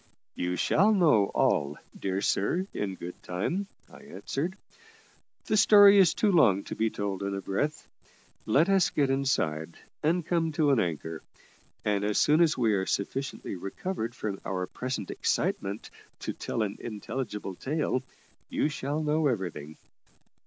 "You shall know all, dear sir, in good time," I answered. "The story is too long to be told in a breath. Let us get inside, and come to an anchor; and as soon as we are sufficiently recovered from our present excitement to tell an intelligible tale, you shall know everything."